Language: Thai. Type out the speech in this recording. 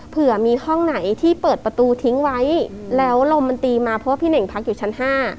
เผื่อมีห้องไหนที่เปิดประตูทิ้งไว้แล้วลมมันตีมาเพราะว่าพี่เน่งพักอยู่ชั้น๕